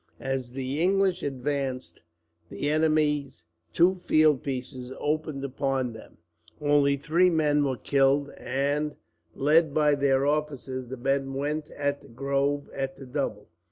As the English advanced, the enemy's two field pieces opened upon them. Only three men were killed, and, led by their officers, the men went at the grove at the double.